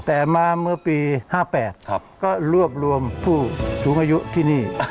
แต่มาเมื่อปี๕๘ก็รวบรวมผู้สูงอายุที่นี่